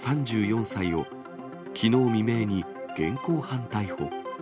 ３４歳を、きのう未明に、現行犯逮捕。